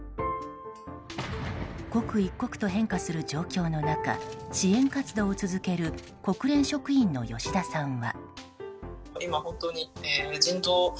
刻一刻と変化する状況の中支援活動を続ける国連職員の吉田さんは。